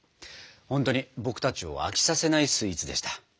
ほんとに僕たちを飽きさせないスイーツでした。